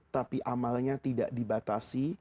tapi amalnya tidak dibatasi